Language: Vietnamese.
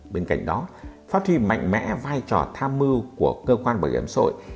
bên cạnh đó phát huy mạnh mẽ vai trò tham mưu của cơ quan bảo hiểm xã hội